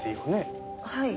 はい。